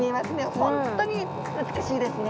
本当に美しいですね。